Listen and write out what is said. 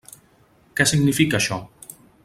Què significa, això?